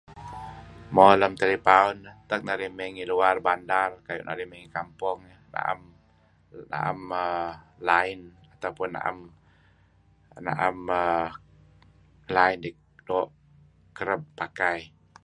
Mo lem telepaun eh utak narih mey ngi luar bandar kayu' narih mey ngi kampong na'em na'em line atau pun na'em na'em dih doo' kereb pakai.